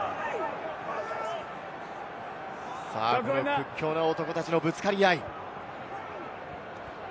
屈強な男たちのぶつかり合い。